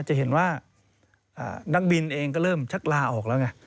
จะเห็นว่านักบินเองก็เริ่มชักลาออกแล้วไง